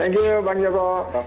terima kasih bang joko